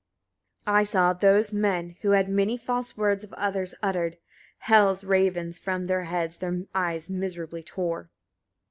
67. I saw those men who had many false words of others uttered: Hel's ravens from their heads their eyes miserably tore.